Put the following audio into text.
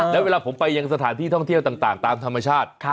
แล้วเวลาผมไปยังสถานที่ท่องเที่ยวต่างตามธรรมชาติ